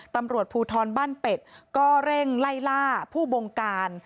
ตำรวจภูทรบ้านเป็ดก็เร่งไล่ล่าผู้บงการ